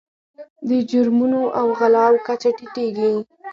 د جرمونو او غلاو کچه ټیټیږي.